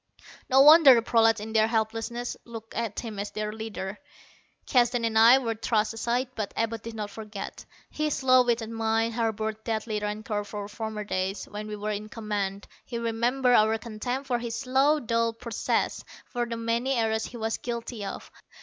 No wonder the prolats in their helplessness looked to him as their leader. Keston and I were thrust aside. But Abud did not forget. His slow witted mind harbored deadly rancor for former days, when we were in command. He remembered our contempt for his slow dull processes; for the many errors he was guilty of.